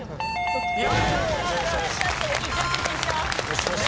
よしよしっ！